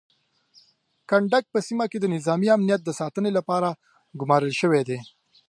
کنډک په سیمه کې د نظامي امنیت د ساتنې لپاره ګمارل شوی دی.